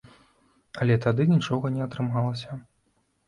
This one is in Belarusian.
Але тады нічога не атрымалася.